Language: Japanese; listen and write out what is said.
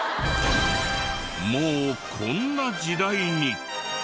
もうこんな時代に！